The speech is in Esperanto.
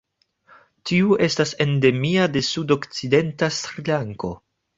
Tiu estas endemia de sudokcidenta Srilanko.